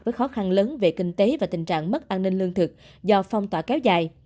với khó khăn lớn về kinh tế và tình trạng mất an ninh lương thực do phong tỏa kéo dài